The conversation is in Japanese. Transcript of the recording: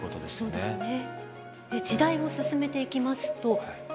そうですね。